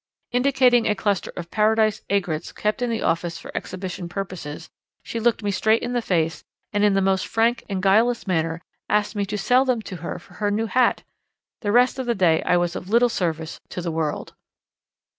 Indicating a cluster of paradise aigrettes kept in the office for exhibition purposes, she looked me straight in the face and in the most frank and guileless manner asked me to sell them to her for her new hat! The rest of the day I was of little service to the world.